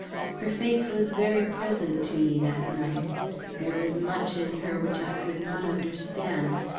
Her face was very present to me that night. There was much in her which I could not understand.